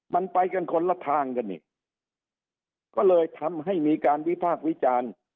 มันไปกันคนละทางกันนี่ก็เลยทำให้มีการวิพากษ์วิจารณ์